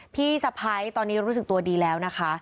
พี่สะพ้ายตอนนี้รู้สึกตัวดีแล้วนะคะ